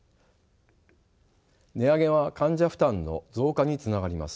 値上げは患者負担の増加につながります。